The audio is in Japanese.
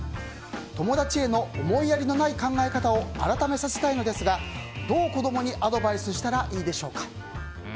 友達への思いやりのない考え方を改めさせたいのですがどう子供にアドバイスしたらいいでしょうか。